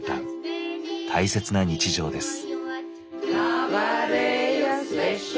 大切な日常です。